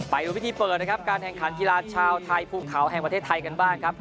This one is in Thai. ไปดูพิธีเปิดนะครับการแข่งขันกีฬาชาวไทยภูเขาแห่งประเทศไทยกันบ้างครับ